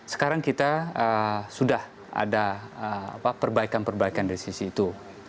sekarang kita sudah ada perbaikan perbaikan dari sisi itu